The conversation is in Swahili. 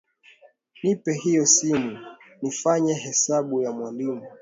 Nipe hiyo simu nifanye hesabu ya mwalimu.